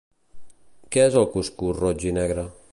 Què és el cuscús roig-i-negre?